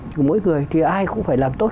của mỗi người thì ai cũng phải làm tốt